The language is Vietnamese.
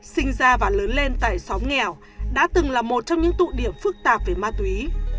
sinh ra và lớn lên tại xóm nghèo đã từng là một trong những tụ điểm phức tạp về ma túy